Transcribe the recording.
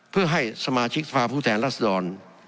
เพื่อให้สมาชิกสภาพผู้แทนรัศดร